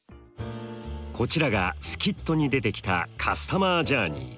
こちらがスキットに出てきたカスタマージャーニー。